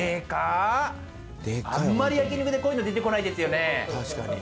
あんまり焼肉でこういうの出てこないですよね？